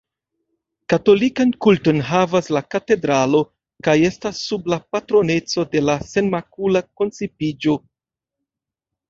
Katolikan kulton havas la katedralo, kaj estas sub la patroneco de la Senmakula koncipiĝo.